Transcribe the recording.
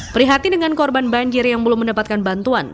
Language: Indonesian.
prihati dengan korban banjir yang belum mendapatkan bantuan